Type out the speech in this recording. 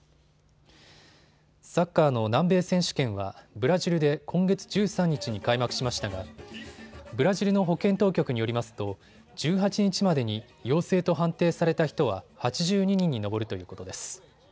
サッカーの南米選手権はブラジルで今月１３日に開幕しましたがブラジルの保健当局によりますと１８日までに陽性と判定された人は８２人に上るということです。